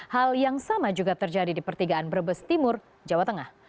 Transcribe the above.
hal yang sama juga terjadi di pertigaan brebes timur jawa tengah